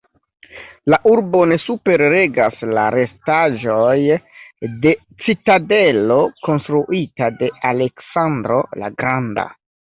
La urbon superregas la restaĵoj de citadelo konstruita de Aleksandro la Granda.